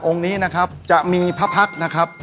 องค์นี้นะครับจะมีพระพรรคนะครับ